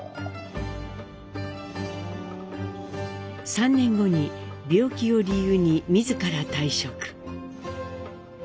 ３年後に病気を理由に自ら退職。